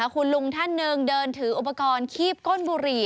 คุณลุงท่านหนึ่งเดินถืออุปกรณ์คีบก้นบุหรี่